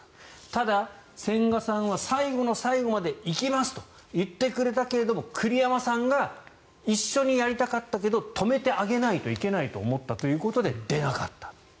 ただ、千賀さんは最後の最後まで行きますと言ってくれたけれども栗山さんが一緒にやりたかったけど止めてあげないといけないと思ったということで出なかった。